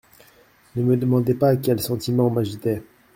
Ne me demandez pas quels sentiments m'agitaient.